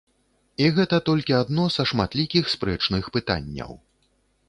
І гэта толькі адно са шматлікіх спрэчных пытанняў.